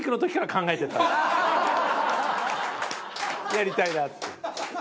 やりたいなって。